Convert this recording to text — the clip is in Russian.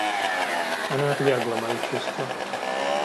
Она отвергла мои чувства.